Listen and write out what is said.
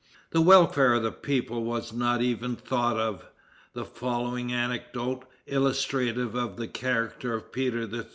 The welfare of the people was not even thought of. The following anecdote, illustrative of the character of Peter III.